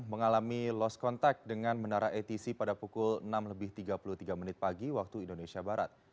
mengalami lost contact dengan menara atc pada pukul enam lebih tiga puluh tiga menit pagi waktu indonesia barat